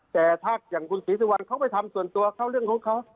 และถ้าอย่างคุณศิษย์สีวัญเข้าไปทำส่วนตัวเข้าเรื่องของเขา